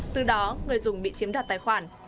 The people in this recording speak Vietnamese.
từ đó người dùng bị chiếm đặt tài khoản